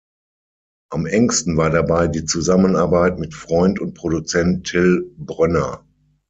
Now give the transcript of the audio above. Am engsten war dabei die Zusammenarbeit mit Freund und Produzent Till Brönner.